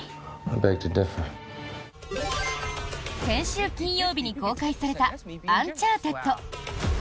先週金曜日に公開された「アンチャーテッド」。